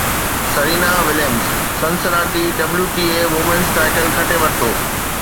Serena Williams Cincinnati WTA women's title کٽي ورتو